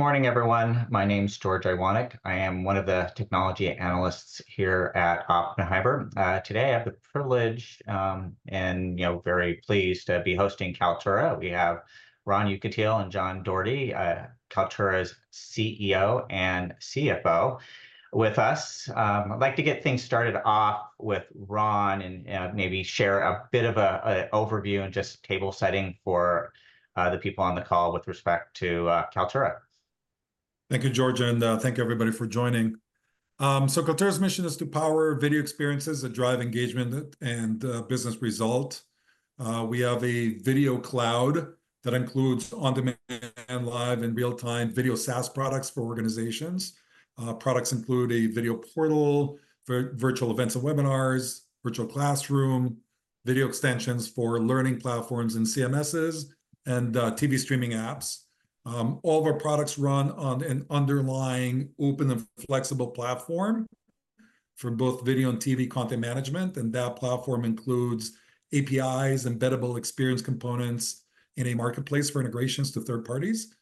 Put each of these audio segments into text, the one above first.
Good morning, everyone. My name's George Iwanyc. I am one of the technology analysts here at Oppenheimer. Today, I have the privilege, and, you know, very pleased to be hosting Kaltura. We have Ron Yekutiel and John Doherty, Kaltura's CEO and CFO with us. I'd like to get things started off with Ron, and maybe share a bit of a overview and just table setting for the people on the call with respect to Kaltura. Thank you, George, and thank you, everybody, for joining. So Kaltura's mission is to power video experiences that drive engagement and business result. We have a video cloud that includes on-demand, live, and real-time video SaaS products for organizations. Products include a video portal for virtual events and webinars, virtual classroom, video extensions for learning platforms and CMSs, and TV streaming apps. All of our products run on an underlying open and flexible platform for both video and TV content management, and that platform includes APIs, embeddable experience components, and a marketplace for integrations to third parties.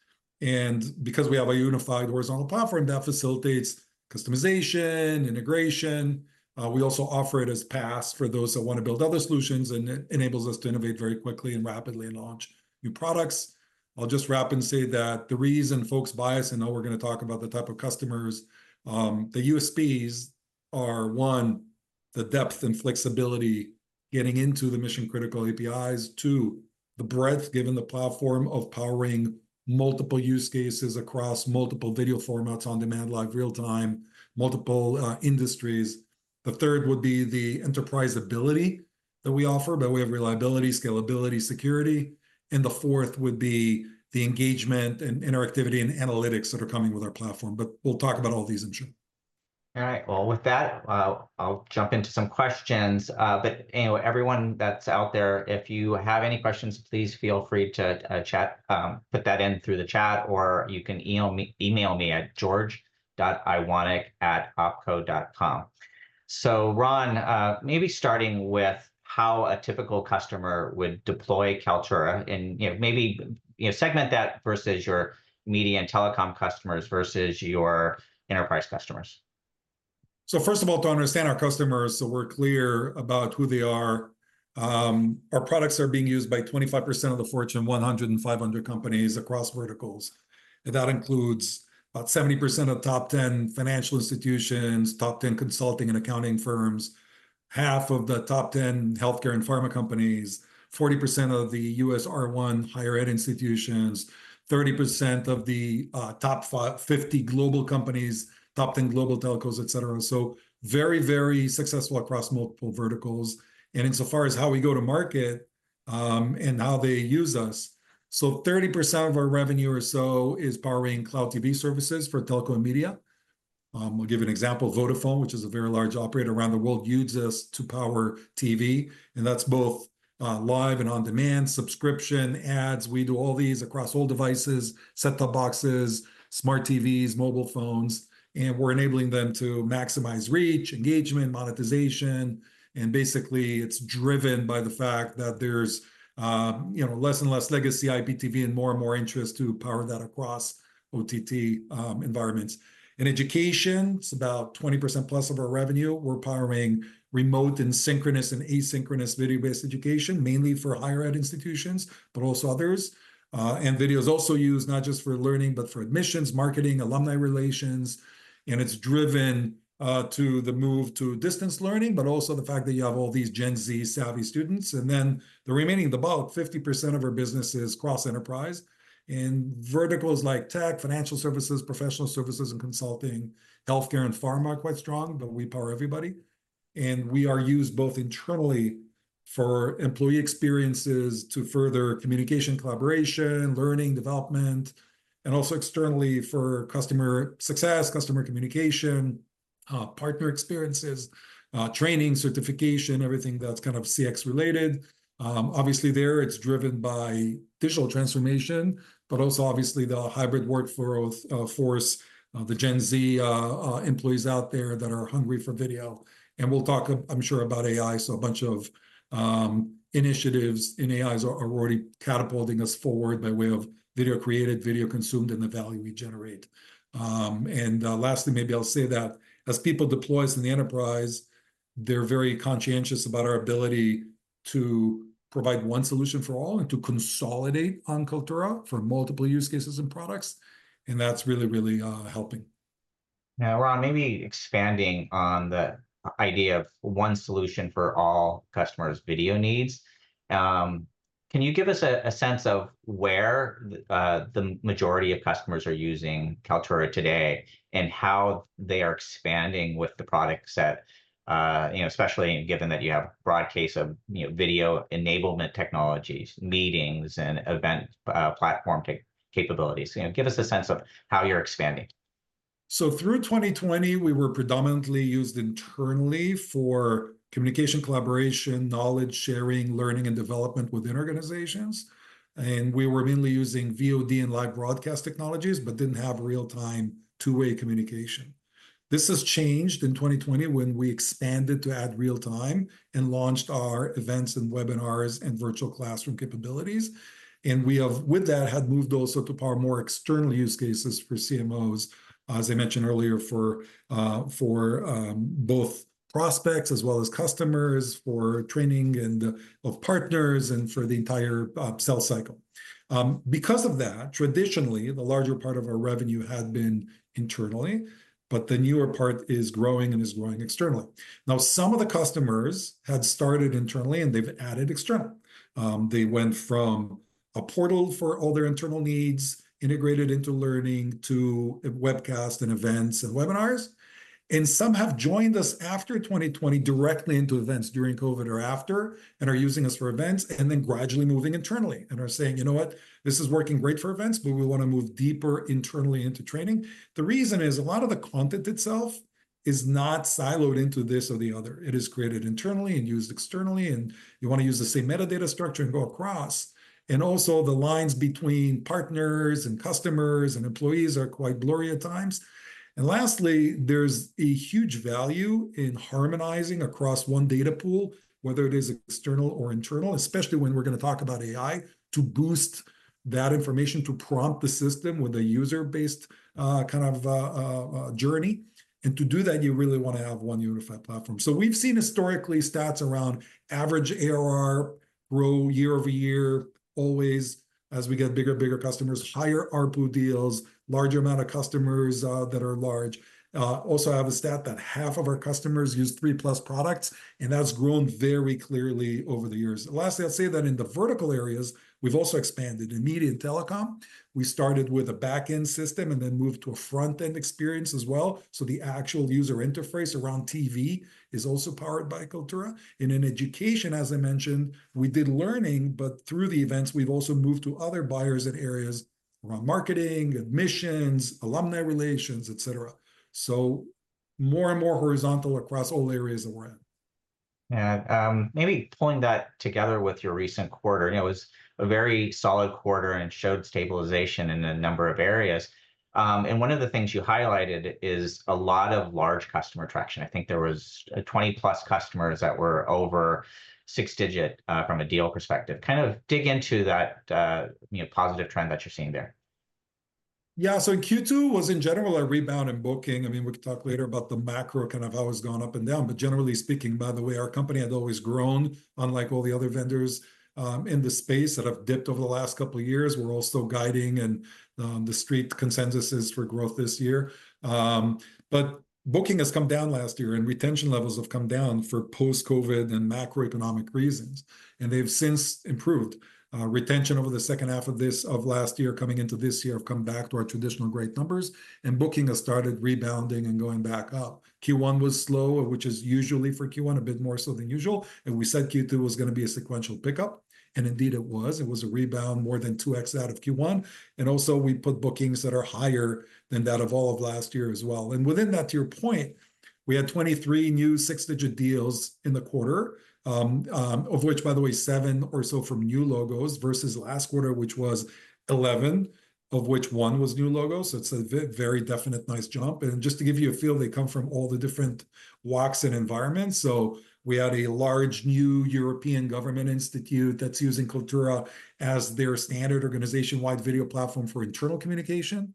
And because we have a unified horizontal platform, that facilitates customization, integration. We also offer it as PaaS for those that wanna build other solutions, and it enables us to innovate very quickly and rapidly and launch new products. I'll just wrap and say that the reason folks buy us. I know we're gonna talk about the type of customers, the USPs are, one, the depth and flexibility getting into the mission-critical APIs. Two, the breadth, given the platform of powering multiple use cases across multiple video formats, on-demand, live, real-time, multiple, industries. The third would be the enterprise ability that we offer, by way of reliability, scalability, security. And the fourth would be the engagement, and interactivity, and analytics that are coming with our platform, but we'll talk about all these, I'm sure. All right. Well, with that, I'll jump into some questions. But anyway, everyone that's out there, if you have any questions, please feel free to chat, put that in through the chat, or you can email me at george.iwanyc@opco.com. So Ron, maybe starting with how a typical customer would deploy Kaltura and, you know, maybe segment that versus your media and telecom customers versus your enterprise customers. So first of all, to understand our customers, so we're clear about who they are, our products are being used by 25% of the Fortune 100 and 500 companies across verticals, and that includes about 70% of top 10 financial institutions, top 10 consulting and accounting firms, 1/2 of the top 10 healthcare and pharma companies, 40% of the U.S. R1 higher ed institutions, 30% of the top 50 global companies, top 10 global telcos, et cetera. So very, very successful across multiple verticals. And insofar as how we go to market, and how they use us, so 30% of our revenue or so is powering Cloud TV services for telecom and media. We'll give you an example. Vodafone, which is a very large operator around the world, uses us to power TV, and that's both live and on-demand, subscription, ads. We do all these across all devices, set-top boxes, smart TVs, mobile phones, and we're enabling them to maximize reach, engagement, monetization. And basically, it's driven by the fact that there's, you know, less and less legacy IPTV and more and more interest to power that across OTT environments. In education, it's about 20%+ of our revenue. We're powering remote, and synchronous, and asynchronous video-based education, mainly for higher ed institutions, but also others. And video is also used not just for learning, but for admissions, marketing, alumni relations, and it's driven to the move to distance learning, but also the fact that you have all these Gen Z savvy students. And then the remaining, about 50% of our business is cross-enterprise in verticals like tech, financial services, professional services and consulting. Healthcare and pharma are quite strong, but we power everybody. And we are used both internally for employee experiences to further communication, collaboration, learning, development, and also externally for customer success, customer communication, partner experiences, training, certification, everything that's kind of CX-related. Obviously, there it's driven by digital transformation, but also, obviously, the hybrid workflow, force, the Gen Z employees out there that are hungry for video. And we'll talk, I'm sure, about AI, so a bunch of initiatives in AI are already catapulting us forward by way of video created, video consumed, and the value we generate. Lastly, maybe I'll say that as people deploy us in the enterprise, they're very conscientious about our ability to provide one solution for all and to consolidate on Kaltura for multiple use cases and products, and that's really, really, helping. Now, Ron, maybe expanding on the idea of one solution for all customers' video needs, can you give us a sense of where the majority of customers are using Kaltura today, and how they are expanding with the product set? You know, especially given that you have a broad case of, you know, video enablement technologies, meetings, and event platform capabilities. You know, give us a sense of how you're expanding.... So through 2020, we were predominantly used internally for communication, collaboration, knowledge sharing, learning, and development within organizations, and we were mainly using VOD and live broadcast technologies, but didn't have real-time, two-way communication. This has changed in 2020 when we expanded to add real time, and launched our events, and webinars, and virtual classroom capabilities. And we have, with that, had moved also to power more external use cases for CMOs, as I mentioned earlier, for both prospects as well as customers, for training, and of partners, and for the entire sales cycle. Because of that, traditionally, the larger part of our revenue had been internally, but the newer part is growing and is growing externally. Now, some of the customers had started internally, and they've added externally. They went from a portal for all their internal needs, integrated into learning, to a webcast, and events, and webinars. Some have joined us after 2020 directly into events during COVID or after, and are using us for events, and then gradually moving internally, and are saying, "You know what? This is working great for events, but we wanna move deeper internally into training." The reason is a lot of the content itself is not siloed into this or the other. It is created internally and used externally, and you wanna use the same metadata structure and go across. Also, the lines between partners, and customers, and employees are quite blurry at times. Lastly, there's a huge value in harmonizing across one data pool, whether it is external or internal, especially when we're gonna talk about AI, to boost that information, to prompt the system with a user-based, kind of, journey. And to do that, you really wanna have one unified platform. So we've seen historically stats around average ARR grow year-over-year, always as we get bigger and bigger customers, higher ARPU deals, larger amount of customers that are large. Also, I have a stat that 1/2 of our customers use 3+ products, and that's grown very clearly over the years. Lastly, I'd say that in the vertical areas, we've also expanded. In media and telecom, we started with a back-end system, and then moved to a front-end experience as well, so the actual user interface around TV is also powered by Kaltura. In education, as I mentioned, we did learning, but through the events, we've also moved to other buyers in areas around marketing, admissions, alumni relations, et cetera. More and more horizontal across all areas that we're in. Yeah, maybe pulling that together with your recent quarter, you know, it was a very solid quarter, and it showed stabilization in a number of areas. One of the things you highlighted is a lot of large customer traction. I think there was 20+ customers that were over six-digit from a deal perspective. Kind of dig into that, you know, positive trend that you're seeing there. Yeah, so Q2 was, in general, a rebound in booking. I mean, we can talk later about the macro, kind of how it's gone up and down. But generally speaking, by the way, our company had always grown, unlike all the other vendors, in the space that have dipped over the last couple of years. We're all still guiding, and, the street consensus is for growth this year. But booking has come down last year, and retention levels have come down for post-COVID and macroeconomic reasons, and they've since improved. Retention over the second half of this, of last year coming into this year, have come back to our traditional great numbers, and booking has started rebounding and going back up. Q1 was slow, which is usually for Q1, a bit more so than usual, and we said Q2 was gonna be a sequential pickup, and indeed it was. It was a rebound more than 2x out of Q1, and also we put bookings that are higher than that of all of last year as well. And within that, to your point, we had 23 new six-digit deals in the quarter, of which, by the way, seven or so from new logos, versus last quarter, which was 11, of which one was new logos. So it's a very definite nice jump. And just to give you a feel, they come from all the different walks and environments. So we had a large, new European government institute that's using Kaltura as their standard organization-wide video platform for internal communication.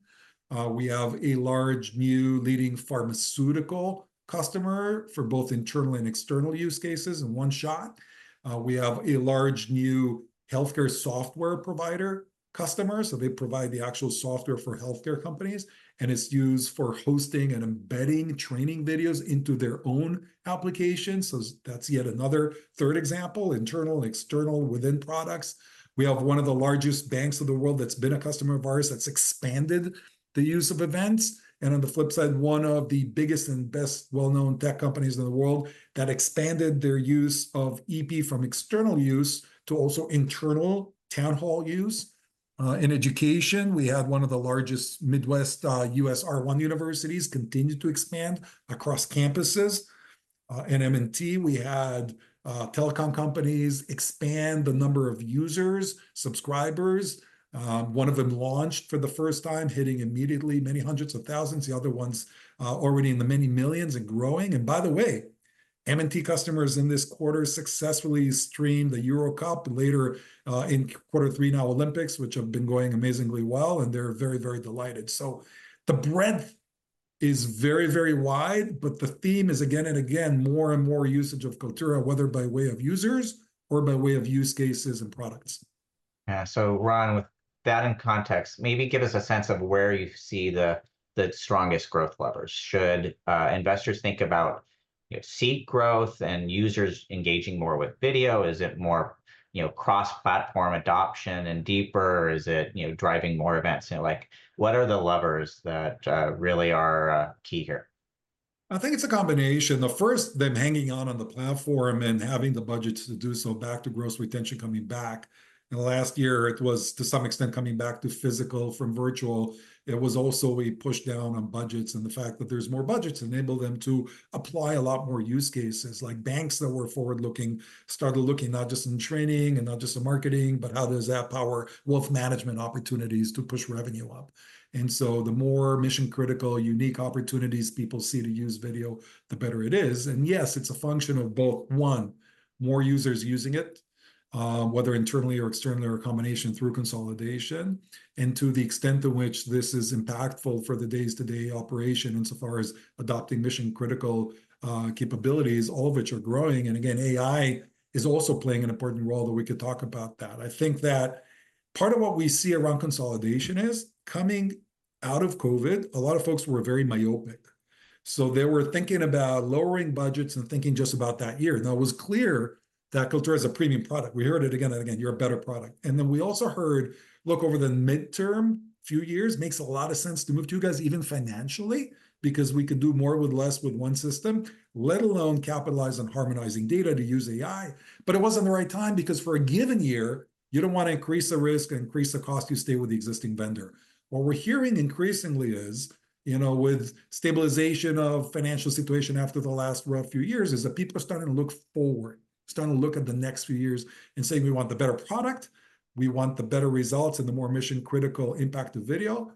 We have a large, new leading pharmaceutical customer for both internal and external use cases in one shot. We have a large, new healthcare software provider customer, so they provide the actual software for healthcare companies, and it's used for hosting and embedding training videos into their own applications. So that's yet another third example, internal and external within products. We have one of the largest banks of the world that's been a customer of ours, that's expanded the use of events. And on the flip side, one of the biggest and best well-known tech companies in the world, that expanded their use of EP from external use to also internal town hall use. In education, we have one of the largest Midwest U.S. R1 universities continue to expand across campuses. In M&T, we had telecom companies expand the number of users, subscribers. One of them launched for the first time, hitting immediately many hundreds of thousands. The other one's already in the many millions and growing. And by the way, M&T customers in this quarter successfully streamed the Euro Cup, and later in quarter three, now Olympics, which have been going amazingly well, and they're very, very delighted. So the breadth is very, very wide, but the theme is, again and again, more and more usage of Kaltura, whether by way of users or by way of use cases and products. Yeah, so Ron, with that in context, maybe give us a sense of where you see the strongest growth levers. Should investors think about, you know, seat growth and users engaging more with video? Is it more, you know, cross-platform adoption and deeper? Is it, you know, driving more events? You know, like, what are the levers that really are key here?... I think it's a combination. The first, them hanging onto the platform and having the budgets to do so, back to gross retention coming back. In the last year, it was, to some extent, coming back to physical from virtual. It was also a push down on budgets, and the fact that there's more budgets enabled them to apply a lot more use cases. Like, banks that were forward-looking started looking not just in training and not just in marketing, but how does that power wealth management opportunities to push revenue up? And so the more mission-critical, unique opportunities people see to use video, the better it is. And yes, it's a function of both, one, more users using it, whether internally or externally or a combination through consolidation, and to the extent to which this is impactful for the day-to-day operation insofar as adopting mission-critical capabilities, all of which are growing. And again, AI is also playing an important role, that we could talk about that. I think that part of what we see around consolidation is coming out of COVID. A lot of folks were very myopic. So they were thinking about lowering budgets and thinking just about that year. Now, it was clear that Kaltura is a premium product. We heard it again and again, "You're a better product." And then we also heard, "Look, over the midterm, few years, makes a lot of sense to move to you guys, even financially, because we could do more with less with one system, let alone capitalize on harmonizing data to use AI." But it wasn't the right time, because for a given year, you don't wanna increase the risk and increase the cost. You stay with the existing vendor. What we're hearing increasingly is, you know, with stabilization of financial situation after the last rough few years, is that people are starting to look forward, starting to look at the next few years and saying, "We want the better product. We want the better results and the more mission-critical impact of video,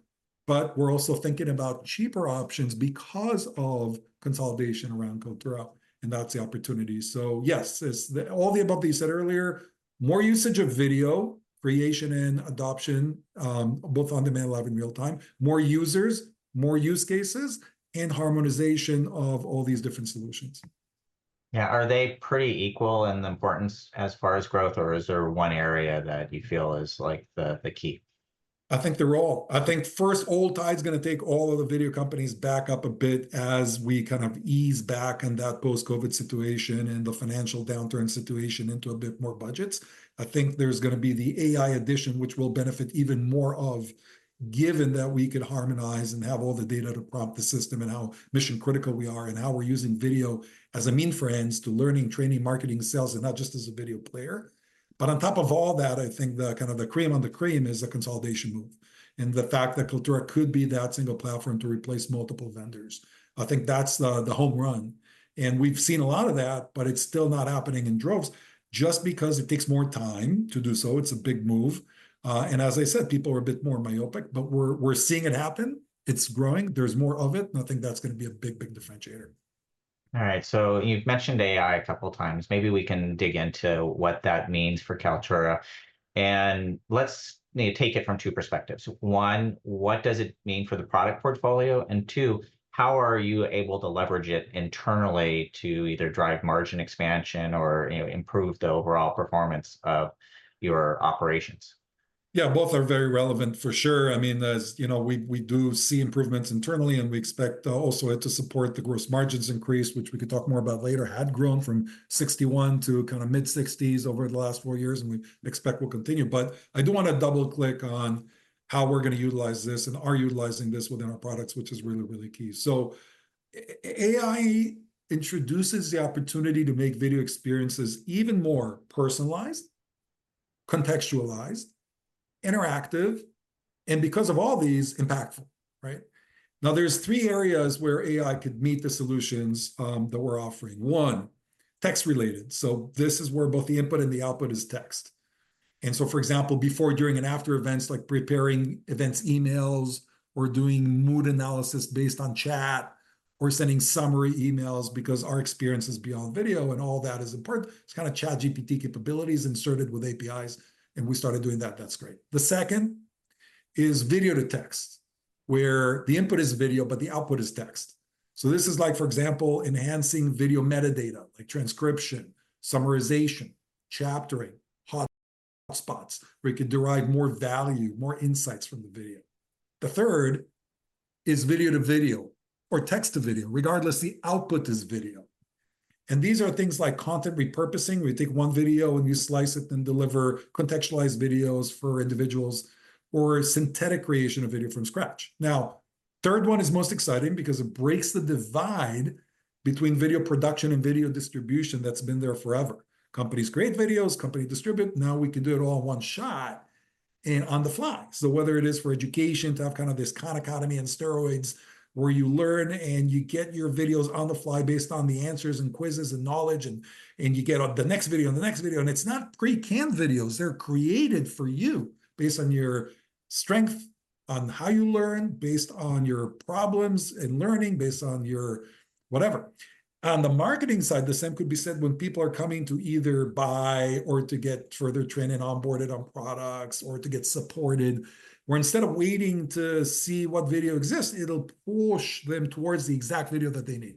but we're also thinking about cheaper options because of consolidation around Kaltura," and that's the opportunity. So yes, it's the... All the above that you said earlier, more usage of video, creation and adoption, both on-demand, live, and real-time, more users, more use cases, and harmonization of all these different solutions. Yeah. Are they pretty equal in importance as far as growth, or is there one area that you feel is, like, the key? I think, first, the tide's gonna take all of the video companies back up a bit as we kind of ease back on that post-COVID situation and the financial downturn situation into a bit more budgets. I think there's gonna be the AI addition, which will benefit even more of, given that we could harmonize and have all the data to prompt the system, and how mission-critical we are, and how we're using video as a means to ends to learning, training, marketing, sales, and not just as a video player. But on top of all that, I think, kind of, the cream on the cream is the consolidation move, and the fact that Kaltura could be that single platform to replace multiple vendors. I think that's the home run, and we've seen a lot of that, but it's still not happening in droves, just because it takes more time to do so. It's a big move. And as I said, people are a bit more myopic, but we're seeing it happen. It's growing. There's more of it, and I think that's gonna be a big, big differentiator. All right. So you've mentioned AI a couple of times. Maybe we can dig into what that means for Kaltura, and let's, you know, take it from two perspectives. One, what does it mean for the product portfolio? And two, how are you able to leverage it internally to either drive margin expansion or, you know, improve the overall performance of your operations? Yeah, both are very relevant, for sure. I mean, as you know, we, we do see improvements internally, and we expect also it to support the gross margins increase, which we could talk more about later, had grown from 61% to kinda mid-60s over the last four years, and we expect will continue. But I do wanna double-click on how we're gonna utilize this and are utilizing this within our products, which is really, really key. So AI introduces the opportunity to make video experiences even more personalized, contextualized, interactive, and because of all these, impactful, right? Now, there's three areas where AI could meet the solutions that we're offering. One, text related, so this is where both the input and the output is text. For example, before, during, and after events, like preparing events, emails, or doing mood analysis based on chat, or sending summary emails because our experience is beyond video, and all that is important. It's kinda ChatGPT capabilities inserted with APIs, and we started doing that. That's great. The second is video to text, where the input is video, but the output is text. So this is like, for example, enhancing video metadata, like transcription, summarization, chaptering, hot spots, where you could derive more value, more insights from the video. The third is video to video or text to video. Regardless, the output is video, and these are things like content repurposing, where you take one video, and you slice it, then deliver contextualized videos for individuals, or synthetic creation of video from scratch. Now, third one is most exciting because it breaks the divide between video production and video distribution that's been there forever. Companies create videos, companies distribute. Now, we can do it all in one shot and on the fly. So whether it is for education, to have kind of this Khan Academy on steroids, where you learn, and you get your videos on the fly based on the answers, and quizzes, and knowledge, and, and you get on the next video and the next video. And it's not pre-canned videos. They're created for you based on your strength, on how you learn, based on your problems in learning, based on your whatever. On the marketing side, the same could be said when people are coming to either buy or to get further trained and onboarded on products or to get supported, where instead of waiting to see what video exists, it'll push them towards the exact video that they need.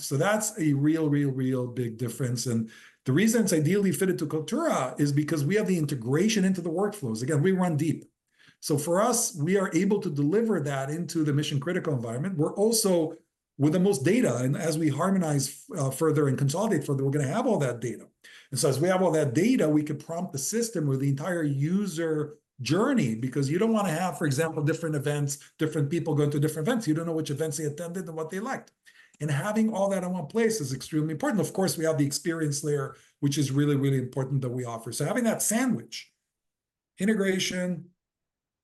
So that's a real, real, real big difference, and the reason it's ideally fitted to Kaltura is because we have the integration into the workflows. Again, we run deep. So for us, we are able to deliver that into the mission-critical environment. We're also with the most data, and as we harmonize, further and consolidate further, we're gonna have all that data. And so as we have all that data, we can prompt the system or the entire user journey, because you don't wanna have, for example, different events, different people going to different events. You don't know which events they attended or what they liked. Having all that in one place is extremely important. Of course, we have the experience layer, which is really, really important that we offer. Having that sandwich, integration,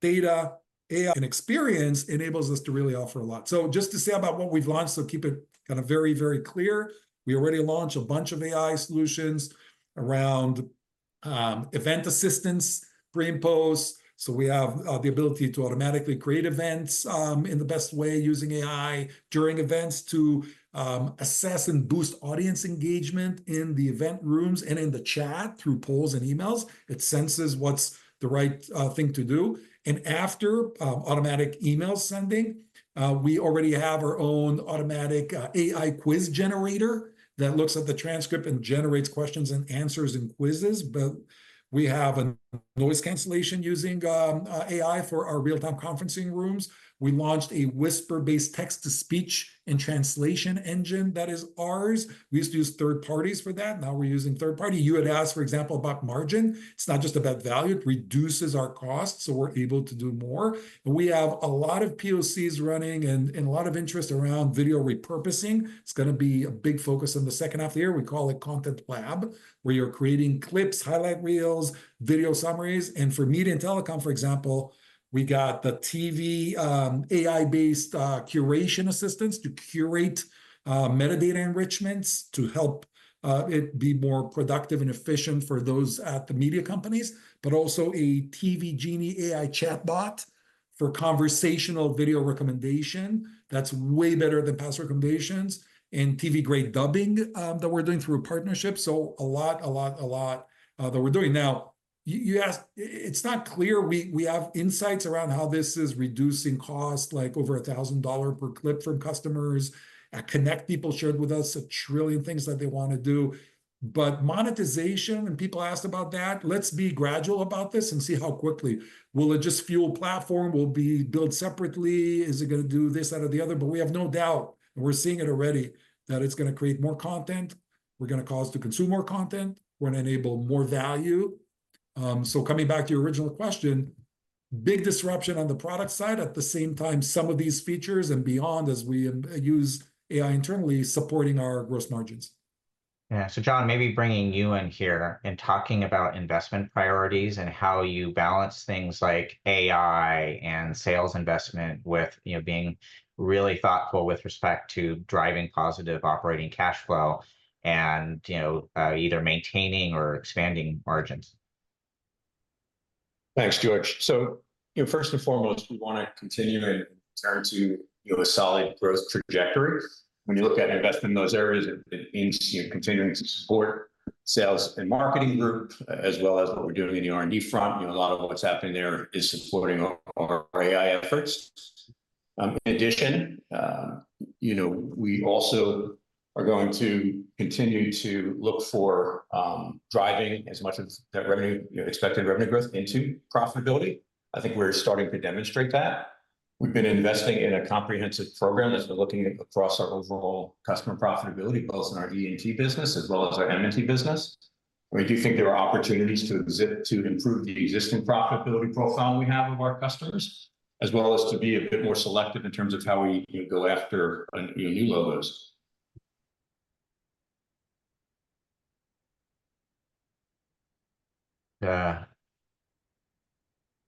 data, AI, and experience, enables us to really offer a lot. Just to say about what we've launched, keep it kinda very, very clear, we already launched a bunch of AI solutions around event assistance, pre and post. We have the ability to automatically create events in the best way using AI during events to assess and boost audience engagement in the event rooms and in the chat through polls and emails. It senses what's the right thing to do. After automatic email sending, we already have our own automatic AI quiz generator that looks at the transcript and generates questions, and answers, and quizzes. But we have a noise cancellation using AI for our real-time conferencing rooms. We launched a whisper-based text-to-speech and translation engine that is ours. We used to use third parties for that, now we're using third party. You had asked, for example, about margin. It's not just about value, it reduces our costs, so we're able to do more. But we have a lot of POCs running and a lot of interest around video repurposing. It's gonna be a big focus on the second half of the year. We call it Content Lab, where you're creating clips, highlight reels, video summaries. For media and telecom, for example, we got the TV AI-based curation assistance to curate metadata enrichments to help it be more productive and efficient for those at the media companies. But also a TV Genie AI chatbot for conversational video recommendation that's way better than past recommendations, and TV-grade dubbing that we're doing through a partnership. So a lot, a lot, a lot that we're doing. Now, you asked... It's not clear. We have insights around how this is reducing cost, like, over $1,000 per clip for customers. At Connect, people shared with us a trillion things that they wanna do, but monetization, and people asked about that. Let's be gradual about this and see how quickly. Will it just fuel platform? Will it be built separately? Is it gonna do this, that, or the other? But we have no doubt, and we're seeing it already, that it's gonna create more content. We're gonna cause to consume more content. We're gonna enable more value. So coming back to your original question, big disruption on the product side. At the same time, some of these features and beyond, as we use AI internally, supporting our gross margins. Yeah. So John, maybe bringing you in here, and talking about investment priorities, and how you balance things like AI and sales investment with, you know, being really thoughtful with respect to driving positive operating cash flow and, you know, either maintaining or expanding margins. Thanks, George. So, you know, first and foremost, we wanna continue and return to, you know, a solid growth trajectory. When you look at investing in those areas, it means, you know, continuing to support sales and marketing group, as well as what we're doing in the R&D front. You know, a lot of what's happening there is supporting our AI efforts. In addition, you know, we also are going to continue to look for driving as much of that revenue, you know, expected revenue growth into profitability. I think we're starting to demonstrate that. We've been investing in a comprehensive program as we're looking at across our overall customer profitability, both in our E&T business as well as our M&T business. We do think there are opportunities to improve the existing profitability profile we have of our customers, as well as to be a bit more selective in terms of how we, you know, go after, you know, new logos.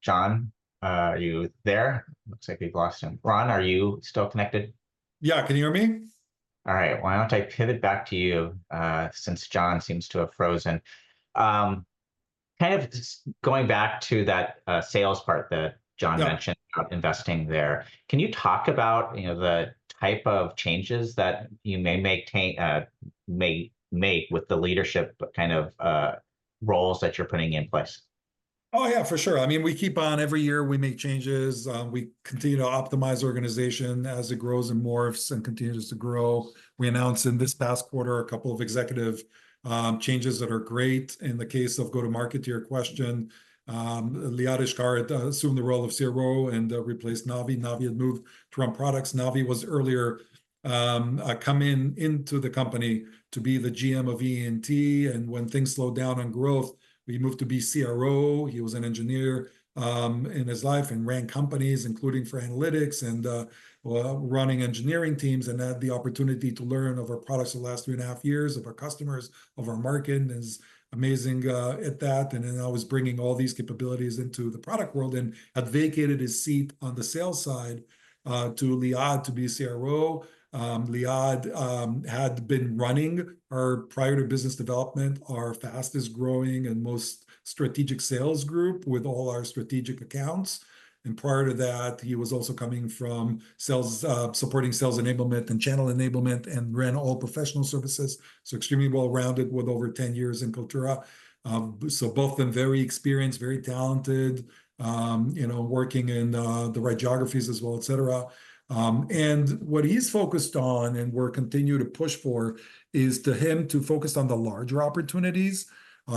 John, are you there? Looks like we've lost him. Ron, are you still connected? Yeah, can you hear me? All right. Why don't I pivot back to you, since John seems to have frozen. Kind of just going back to that, sales part that John- Yeah... mentioned, about investing there, can you talk about, you know, the type of changes that you may make to the leadership, kind of, roles that you're putting in place? Oh, yeah, for sure. I mean, we keep on, every year we make changes. We continue to optimize organization as it grows, and morphs, and continues to grow. We announced in this past quarter a couple of executive changes that are great. In the case of go-to-market, to your question, Liad Eshkar assumed the role of CRO and replaced Navi. Navi had moved to run products. Navi was earlier come in into the company to be the GM of E&T, and when things slowed down on growth, he moved to be CRO. He was an engineer in his life and ran companies, including for analytics and well, running engineering teams, and had the opportunity to learn of our products the last 3.5 years, of our customers, of our market, and is amazing at that. Then now he's bringing all these capabilities into the product world and had vacated his seat on the sales side to Liad to be CRO. Liad had been running our prior to business development our fastest-growing and most strategic sales group with all our strategic accounts. Prior to that, he was also coming from sales supporting sales enablement and channel enablement, and ran all professional services, so extremely well-rounded with over 10 years in Kaltura. So both of them very experienced, very talented, you know, working in the right geographies as well, et cetera. And what he's focused on, and we're continuing to push for, is to him to focus on the larger opportunities.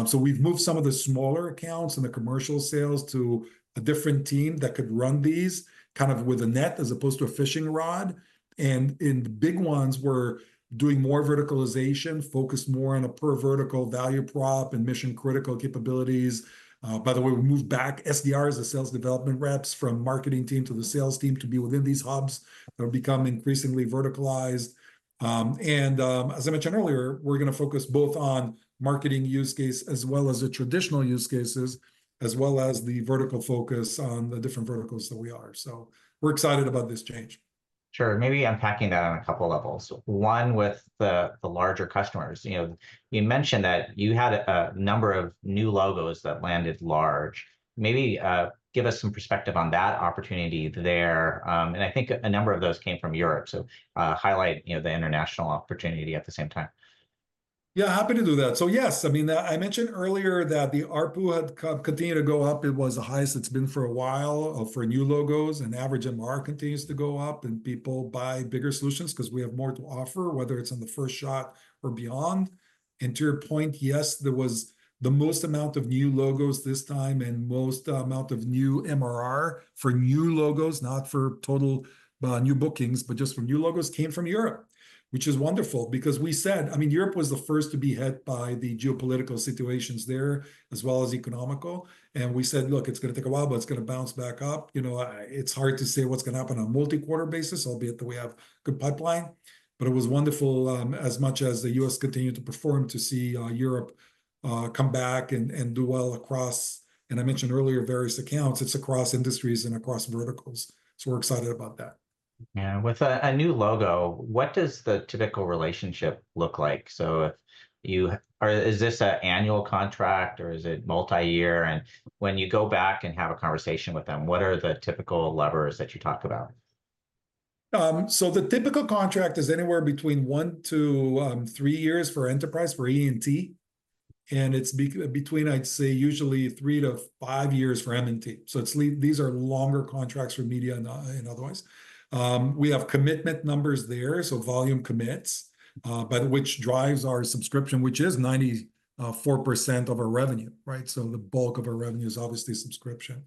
So we've moved some of the smaller accounts and the commercial sales to a different team that could run these, kind of with a net as opposed to a fishing rod. And in the big ones, we're doing more verticalization, focused more on a per vertical value prop and mission-critical capabilities. By the way, we moved back SDRs, the sales development reps, from marketing team to the sales team to be within these hubs. They'll become increasingly verticalized, and as I mentioned earlier, we're gonna focus both on marketing use case as well as the traditional use cases, as well as the vertical focus on the different verticals that we are. So we're excited about this change. Sure, maybe unpacking that on a couple levels. One, with the larger customers. You know, you mentioned that you had a number of new logos that landed large. Maybe, give us some perspective on that opportunity there. And I think a number of those came from Europe, so, highlight, you know, the international opportunity at the same time. Yeah, happy to do that. So yes, I mean, I mentioned earlier that the ARPU had continued to go up. It was the highest it's been for a while for new logos, and average MRR continues to go up, and people buy bigger solutions 'cause we have more to offer, whether it's on the first shot or beyond. And to your point, yes, there was the most amount of new logos this time, and most amount of new MRR for new logos, not for total new bookings, but just from new logos, came from Europe, which is wonderful because we said... I mean, Europe was the first to be hit by the geopolitical situations there, as well as economical, and we said, "Look, it's gonna take a while, but it's gonna bounce back up." You know, it's hard to say what's gonna happen on a multi-quarter basis, albeit that we have good pipeline, but it was wonderful, as much as the U.S. continued to perform, to see, Europe, come back and do well across... And I mentioned earlier, various accounts, it's across industries and across verticals, so we're excited about that. Yeah. With a new logo, what does the typical relationship look like? So if you... is this an annual contract or is it multi-year? And when you go back and have a conversation with them, what are the typical levers that you talk about? So the typical contract is anywhere between one year-three years for enterprise, for E&T, and it's between, I'd say, usually three years-five years for M&T. So these are longer contracts for media and otherwise. We have commitment numbers there, so volume commits, but which drives our subscription, which is 94% of our revenue, right? So the bulk of our revenue is obviously subscription.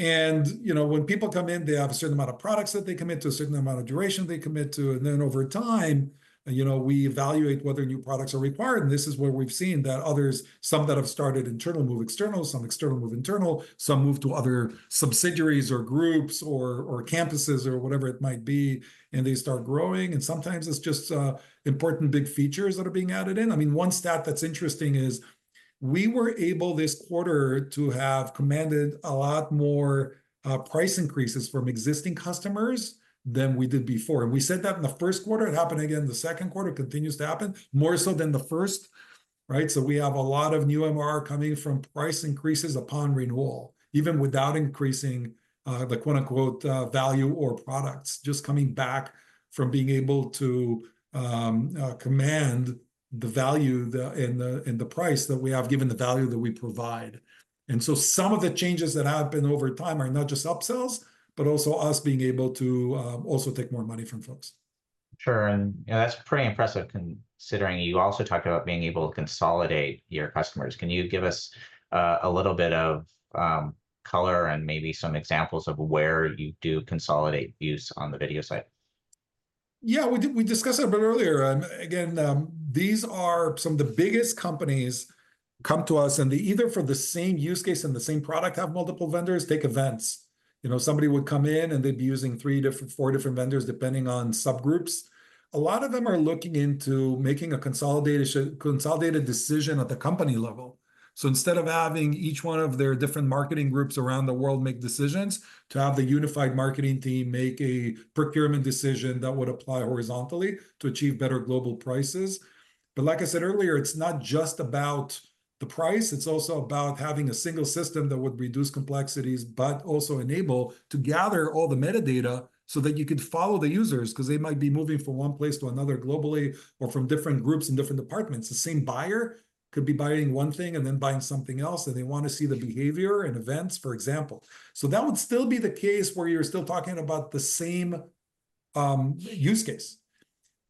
And, you know, when people come in, they have a certain amount of products that they commit to, a certain amount of duration they commit to, and then over time, you know, we evaluate whether new products are required. This is where we've seen that others, some that have started internal move external, some external move internal, some move to other subsidiaries or groups or, or campuses or whatever it might be, and they start growing, and sometimes it's just important big features that are being added in. I mean, one stat that's interesting is we were able, this quarter, to have commanded a lot more price increases from existing customers than we did before. We said that in the first quarter, it happened again in the second quarter, it continues to happen more so than the first, right? So we have a lot of new MRR coming from price increases upon renewal, even without increasing the quote, unquote, "value or products," just coming back from being able to command the value and the price that we have, given the value that we provide. And so some of the changes that happened over time are not just upsells, but also us being able to also take more money from folks. Sure, and, yeah, that's pretty impressive, considering you also talked about being able to consolidate your customers. Can you give us a little bit of color and maybe some examples of where you do consolidate use on the video side? Yeah, we discussed it a bit earlier. And again, these are some of the biggest companies come to us, and they, either for the same use case and the same product, have multiple vendors, take events. You know, somebody would come in, and they'd be using three different, four different vendors, depending on subgroups. A lot of them are looking into making a consolidated decision at the company level. So instead of having each one of their different marketing groups around the world make decisions, to have the unified marketing team make a procurement decision that would apply horizontally to achieve better global prices. But like I said earlier, it's not just about the price, it's also about having a single system that would reduce complexities, but also enable to gather all the metadata so that you could follow the users, 'cause they might be moving from one place to another globally or from different groups and different departments. The same buyer could be buying one thing and then buying something else, and they wanna see the behavior and events, for example. So that would still be the case where you're still talking about the same use case.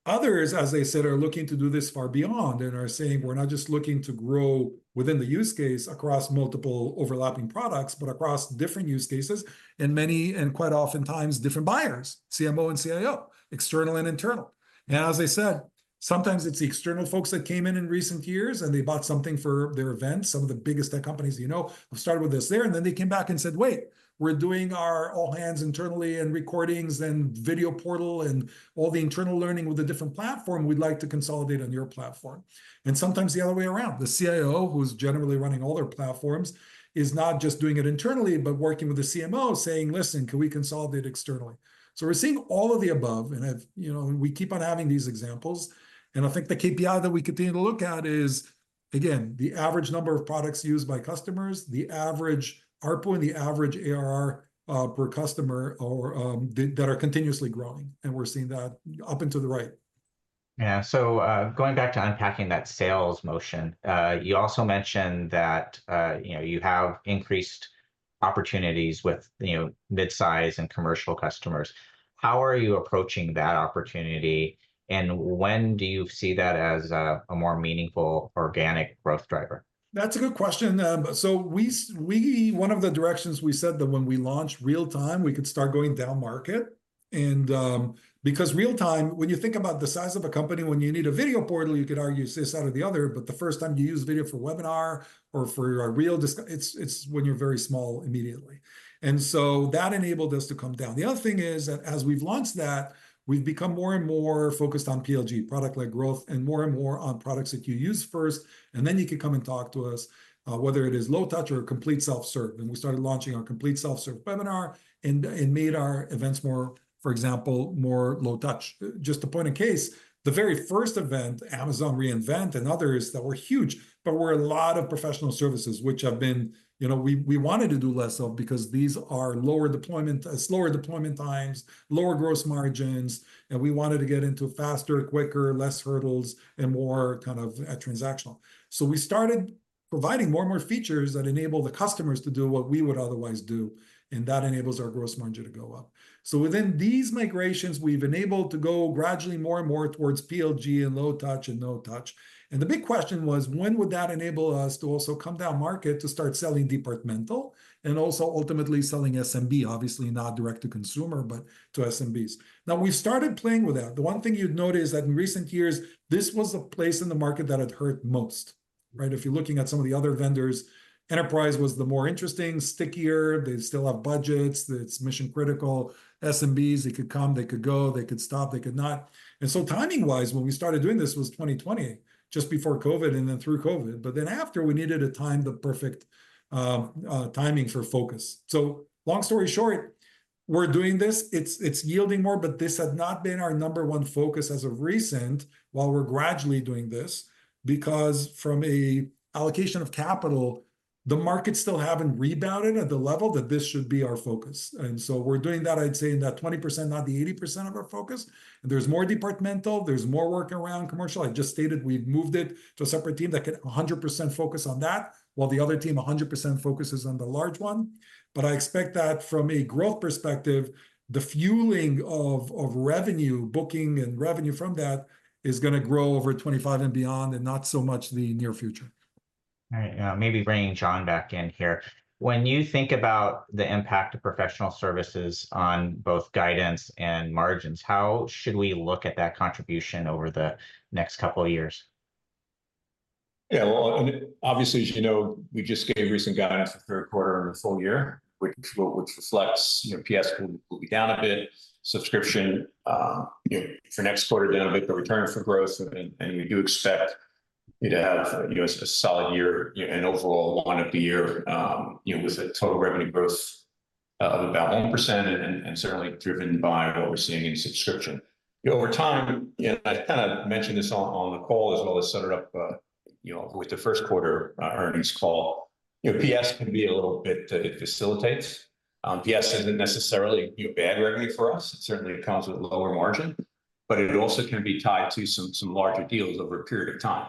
Others, as I said, are looking to do this far beyond and are saying, "We're not just looking to grow within the use case across multiple overlapping products, but across different use cases," and many, and quite oftentimes, different buyers, CMO and CIO, external and internal. And as I said, sometimes it's the external folks that came in in recent years, and they bought something for their events. Some of the biggest tech companies you know have started with us there, and then they came back and said, "Wait, we're doing our all-hands internally, and recordings, and video portal, and all the internal learning with a different platform. We'd like to consolidate on your platform." And sometimes the other way around. The CIO, who's generally running all their platforms, is not just doing it internally, but working with the CMO, saying, "Listen, can we consolidate externally?" So we're seeing all of the above, and I've... You know, and we keep on having these examples, and I think the KPI that we continue to look at is, again, the average number of products used by customers, the average ARPU and the average ARR per customer, or that are continuously growing, and we're seeing that up and to the right. Yeah, so, going back to unpacking that sales motion, you also mentioned that, you know, you have increased opportunities with, you know, midsize and commercial customers. How are you approaching that opportunity, and when do you see that as a more meaningful organic growth driver? That's a good question. So, one of the directions, we said that when we launched real-time, we could start going down-market and, because real time, when you think about the size of a company, when you need a video portal, you could argue this, that, or the other, but the first time you use video for webinar or for a real discussion, it's, it's when you're very small immediately. And so that enabled us to come down. The other thing is that as we've launched that, we've become more and more focused on PLG, product-led growth, and more and more on products that you use first, and then you can come and talk to us, whether it is low touch or complete self-serve. And we started launching our complete self-serve webinar and made our events more, for example, more low touch. Just to point a case, the very first event, Amazon re:Invent, and others that were huge, but were a lot of professional services, which have been, you know, we wanted to do less of, because these are lower deployment, slower deployment times, lower gross margins, and we wanted to get into faster, quicker, less hurdles, and more kind of, transactional. So we started providing more and more features that enable the customers to do what we would otherwise do, and that enables our gross margin to go up. So within these migrations, we've enabled to go gradually more and more towards PLG and low touch and no touch. And the big question was, when would that enable us to also come down market to start selling departmental, and also ultimately selling SMB, obviously not direct to consumer, but to SMBs? Now, we started playing with that. The one thing you'd note is that in recent years, this was a place in the market that it hurt most, right? If you're looking at some of the other vendors, enterprise was the more interesting, stickier. They still have budgets. It's mission critical. SMBs, they could come, they could go, they could stop, they could not. So timing-wise, when we started doing this, was 2020, just before COVID and then through COVID. But then after, we needed to time the perfect timing for focus. So long story short, we're doing this. It's yielding more, but this had not been our number one focus as of recent, while we're gradually doing this. Because from an allocation of capital, the market still hasn't rebounded at the level that this should be our focus, and so we're doing that, I'd say, in that 20%, not the 80% of our focus. There's more departmental, there's more work around commercial. I've just stated we've moved it to a separate team that can 100% focus on that, while the other team 100% focuses on the large one. But I expect that from a growth perspective, the fueling of, of revenue, booking and revenue from that, is gonna grow over 2025 and beyond, and not so much the near future. All right, maybe bringing John back in here. When you think about the impact of professional services on both guidance and margins, how should we look at that contribution over the next couple of years? Yeah, well, and obviously, as you know, we just gave recent guidance for the third quarter and the full year, which reflects, you know, PS will be down a bit. Subscription, you know, for next quarter, down a bit, the return for growth, and we do expect it to have, you know, a solid year and overall line of the year, you know, with the total revenue growth of about 1% and certainly driven by what we're seeing in subscription. Over time, and I kinda mentioned this on the call as well as set it up, you know, with the first quarter earnings call, you know, PS can be a little bit, it facilitates. PS isn't necessarily, you know, bad revenue for us. It certainly comes with lower margin, but it also can be tied to some larger deals over a period of time.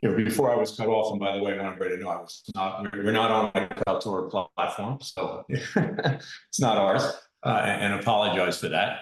You know, before I was cut off, and by the way, no, I was not... You're not on my teleprompter platform, so it's not ours, and apologize for that.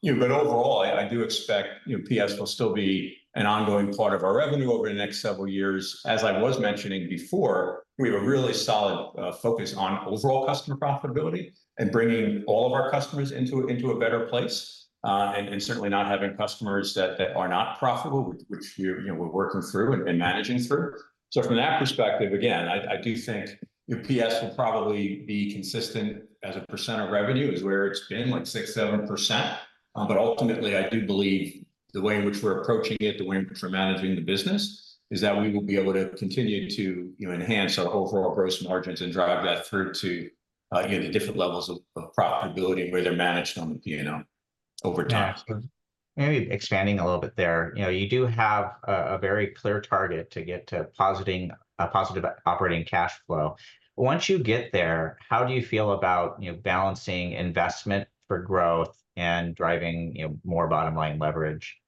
You know, but overall, I do expect, you know, PS will still be an ongoing part of our revenue over the next several years. As I was mentioning before, we have a really solid focus on overall customer profitability and bringing all of our customers into a better place, and certainly not having customers that are not profitable, which we're, you know, we're working through and managing through. So from that perspective, again, I do think your PS will probably be consistent as a percent of revenue, is where it's been, like 6%-7%. But ultimately, I do believe the way in which we're approaching it, the way in which we're managing the business, is that we will be able to continue to, you know, enhance our overall gross margins and drive that through to, you know, the different levels of profitability and where they're managed on, you know, over time. Maybe expanding a little bit there, you know, you do have a very clear target to get to posting a positive operating cash flow. Once you get there, how do you feel about, you know, balancing investment for growth and driving, you know, more bottom line leverage?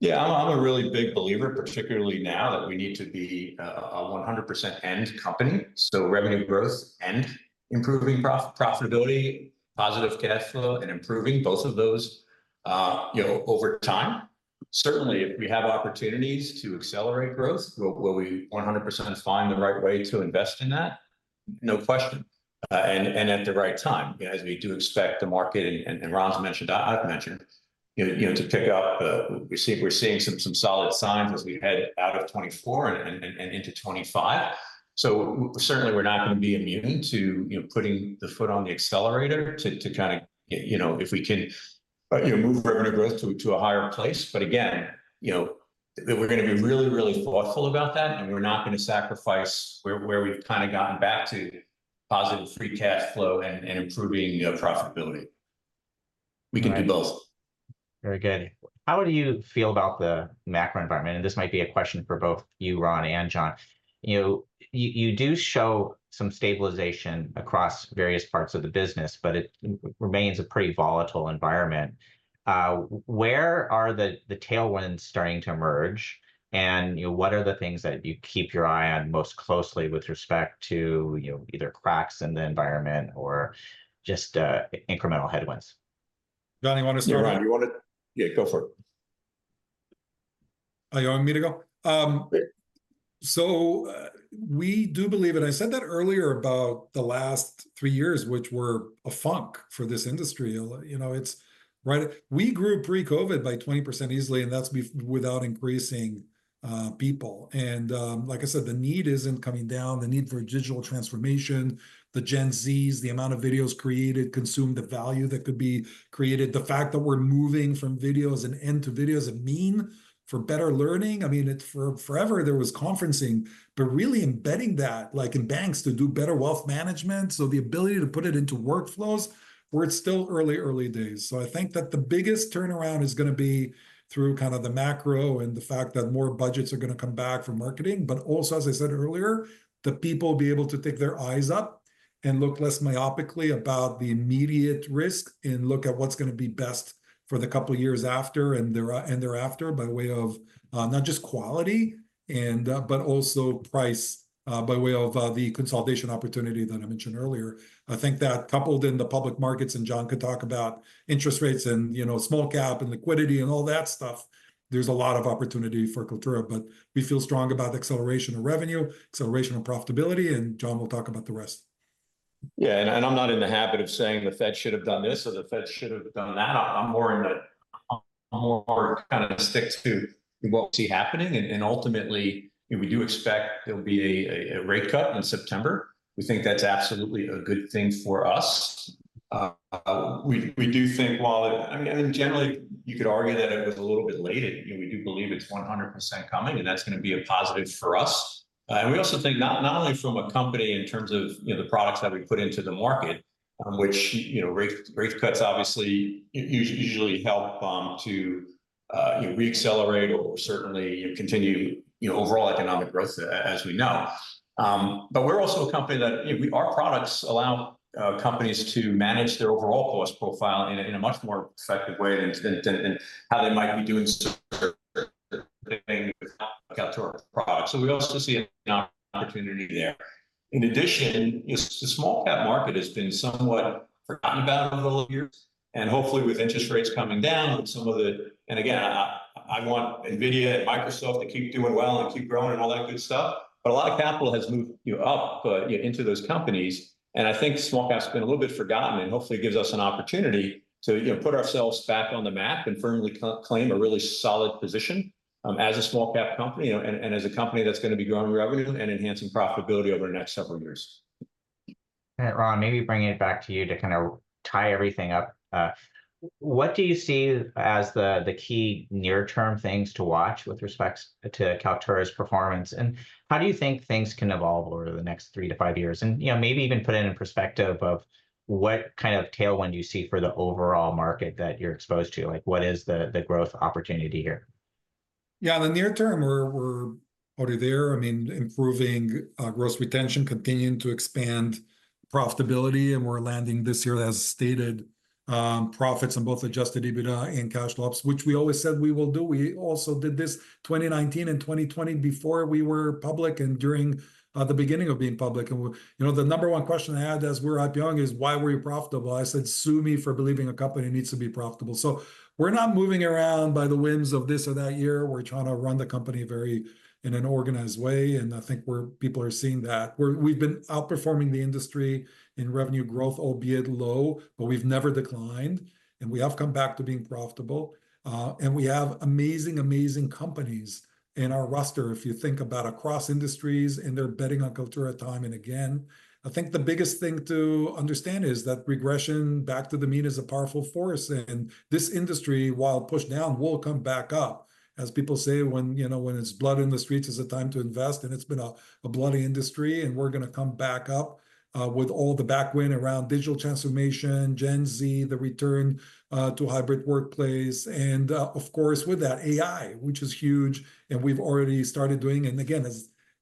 Yeah, I'm a really big believer, particularly now, that we need to be a 100% end company, so revenue growth and improving profitability, positive cash flow, and improving both of those, you know, over time. Certainly, if we have opportunities to accelerate growth, will we 100% find the right way to invest in that? No question. And at the right time, as we do expect the market, and Ron's mentioned, I've mentioned, you know, to pick up, we're seeing some solid signs as we head out of 2024 and into 2025. So certainly we're not gonna be immune to, you know, putting the foot on the accelerator to kinda get, you know, if we can, you know, move revenue growth to a higher place. But again, you know, that we're gonna be really, really thoughtful about that, and we're not gonna sacrifice where, where we've kinda gotten back to positive free cash flow and, and improving, you know, profitability. Right. We can do both. Very good. How do you feel about the macro environment? And this might be a question for both you, Ron, and John. You know, you, you do show some stabilization across various parts of the business, but it remains a pretty volatile environment. Where are the tailwinds starting to emerge? And, you know, what are the things that you keep your eye on most closely with respect to, you know, either cracks in the environment or just incremental headwinds? John, you wanna start? Yeah, you wanna... Yeah, go for it.... Are you wanting me to go? So, we do believe, and I said that earlier about the last three years, which were a funk for this industry. You know, it's right. We grew pre-COVID by 20% easily, and that's without increasing people. And, like I said, the need isn't coming down, the need for digital transformation, the Gen Z, the amount of videos created, consumed, the value that could be created, the fact that we're moving from videos and end to videos of mean for better learning. I mean, it for forever there was conferencing, but really embedding that, like, in banks to do better wealth management, so the ability to put it into workflows where it's still early, early days. So I think that the biggest turnaround is gonna be through kind of the macro and the fact that more budgets are gonna come back from marketing. But also, as I said earlier, the people will be able to take their eyes up and look less myopically about the immediate risk and look at what's gonna be best for the couple of years after, and thereafter, by way of not just quality, but also price, by way of the consolidation opportunity that I mentioned earlier. I think that coupled in the public markets, and John could talk about interest rates and, you know, small cap and liquidity and all that stuff, there's a lot of opportunity for Kaltura. But we feel strong about the acceleration of revenue, acceleration of profitability, and John will talk about the rest. Yeah, I'm not in the habit of saying the Fed should have done this or the Fed should have done that. I'm more in the... I'm more kind of stick to what we see happening. And ultimately, you know, we do expect there'll be a rate cut in September. We think that's absolutely a good thing for us. We do think while, I mean, generally, you could argue that it was a little bit late, and you know, we do believe it's 100% coming, and that's gonna be a positive for us. And we also think not only from a company in terms of, you know, the products that we put into the market, which, you know, rate cuts obviously usually help to, you know, reaccelerate or certainly, you know, continue, you know, overall economic growth as we know. But we're also a company that, you know, our products allow companies to manage their overall cost profile in a much more effective way than how they might be doing so with Kaltura product. So we also see an opportunity there. In addition, the small cap market has been somewhat forgotten about over the years, and hopefully, with interest rates coming down, some of the... And again, I want NVIDIA and Microsoft to keep doing well and keep growing and all that good stuff, but a lot of capital has moved, you know, up, you know, into those companies, and I think small cap's been a little bit forgotten, and hopefully it gives us an opportunity to, you know, put ourselves back on the map and firmly claim a really solid position, as a small cap company, you know, and, and as a company that's gonna be growing revenue and enhancing profitability over the next several years. All right, Ron, maybe bringing it back to you to kinda tie everything up. What do you see as the key near-term things to watch with respect to Kaltura's performance, and how do you think things can evolve over the next three years-five years? You know, maybe even put it in perspective of what kind of tailwind you see for the overall market that you're exposed to. Like, what is the growth opportunity here? Yeah, in the near term, we're already there. I mean, improving gross retention, continuing to expand profitability, and we're landing this year, as stated, profits on both Adjusted EBITDA and cash flows, which we always said we will do. We also did this 2019 and 2020 before we were public, and during the beginning of being public. And, you know, the number one question I had as we're IPO-ing is, "Why were you profitable?" I said, "Sue me for believing a company needs to be profitable." So we're not moving around by the winds of this or that year. We're trying to run the company very in an organized way, and I think people are seeing that. We've been outperforming the industry in revenue growth, albeit low, but we've never declined, and we have come back to being profitable. And we have amazing, amazing companies in our roster, if you think about across industries, and they're betting on Kaltura time and again. I think the biggest thing to understand is that regression back to the mean is a powerful force, and this industry, while pushed down, will come back up. As people say, when, you know, when it's blood in the streets, it's a time to invest, and it's been a bloody industry, and we're gonna come back up with all the backwind around digital transformation, Gen Z, the return to hybrid workplace, and, of course, with that, AI, which is huge, and we've already started doing. Again,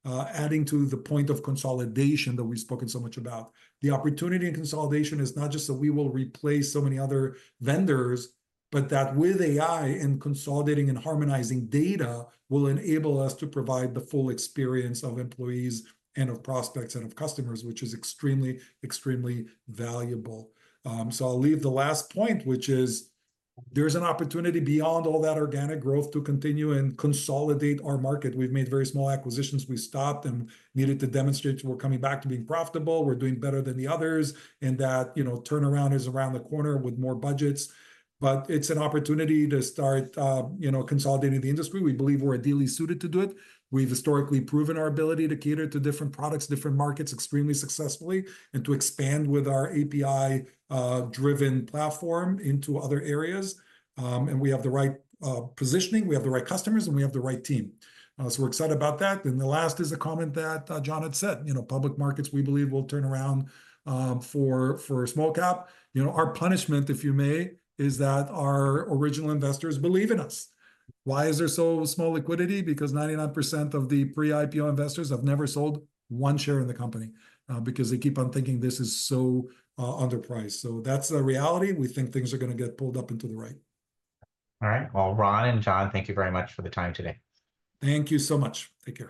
as adding to the point of consolidation that we've spoken so much about, the opportunity in consolidation is not just that we will replace so many other vendors, but that with AI and consolidating and harmonizing data, will enable us to provide the full experience of employees and of prospects and of customers, which is extremely, extremely valuable. So I'll leave the last point, which is, there's an opportunity beyond all that organic growth to continue and consolidate our market. We've made very small acquisitions. We stopped and needed to demonstrate we're coming back to being profitable, we're doing better than the others, and that, you know, turnaround is around the corner with more budgets. But it's an opportunity to start, you know, consolidating the industry. We believe we're ideally suited to do it. We've historically proven our ability to cater to different products, different markets, extremely successfully, and to expand with our API-driven platform into other areas. And we have the right, positioning, we have the right customers, and we have the right team. So we're excited about that. Then the last is a comment that, John had said, you know, public markets, we believe, will turn around, for, for small cap. You know, our punishment, if you may, is that our original investors believe in us. Why is there so small liquidity? Because 99% of the pre-IPO investors have never sold one share in the company, because they keep on thinking this is so, underpriced. So that's the reality. We think things are gonna get pulled up into the right. All right. Well, Ron and John, thank you very much for the time today. Thank you so much. Take care.